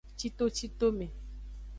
Citocitome.